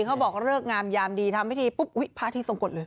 เขาบอกเลิกงามยามดีทำพิธีปุ๊บอุ๊ยพระอาทิตทรงกฎเลย